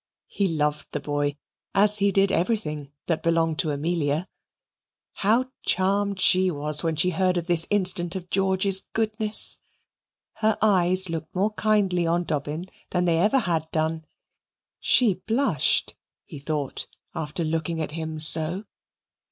He loved the boy, as he did everything that belonged to Amelia. How charmed she was when she heard of this instance of George's goodness! Her eyes looked more kindly on Dobbin than they ever had done. She blushed, he thought, after looking at him so.